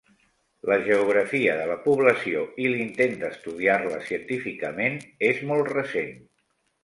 La geografia de la població, i l'intent d'estudiar-la científicament, és molt recent.